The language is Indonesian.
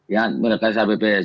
yang ksa bps